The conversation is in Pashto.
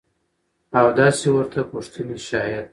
او داسې ورته پوښتنې شايد.